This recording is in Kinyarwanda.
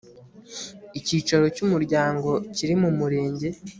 icyicaro cy umuryango kiri mu murenge